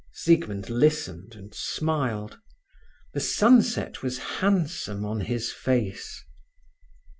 Siegmund listened, and smiled. The sunset was handsome on his face.